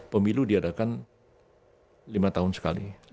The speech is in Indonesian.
pemilu diadakan lima tahun sekali